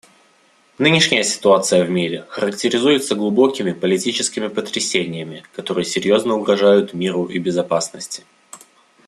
Нынешняя ситуация в мире характеризуется глубокими политическими потрясениями, которые серьезно угрожают миру и безопасности.